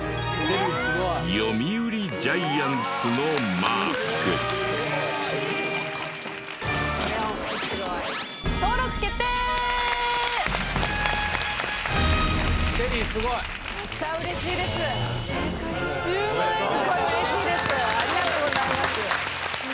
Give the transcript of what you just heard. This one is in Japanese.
ありがとうございます。